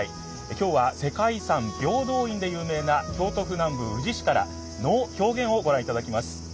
今日は世界遺産平等院で有名な京都府南部宇治市から能狂言をご覧いただきます。